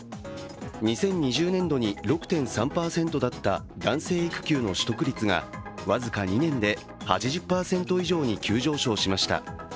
２０２０年度に６．３％だった男性育休の取得率が僅か２年で８０％以上に急上昇しました。